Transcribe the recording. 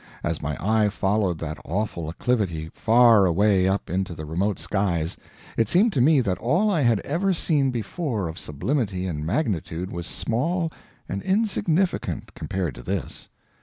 As my eye followed that awful acclivity far away up into the remote skies, it seemed to me that all I had ever seen before of sublimity and magnitude was small and insignificant compared to this.